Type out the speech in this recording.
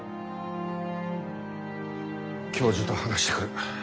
教授と話してくる。